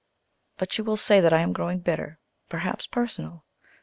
But you will say that I am growing bitter, perhaps personal.